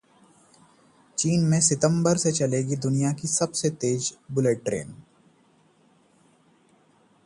चीन में सितंबर से चलेगी दुनिया की सबसे तेज बुलेट ट्रेन